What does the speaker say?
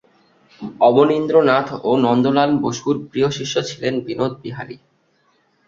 অবনীন্দ্রনাথ ও নন্দলাল বসুর প্রিয় শিষ্য ছিলেন বিনোদ বিহারী।